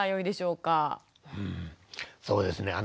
うんそうですね。